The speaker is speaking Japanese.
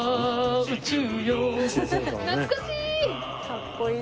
懐かしい！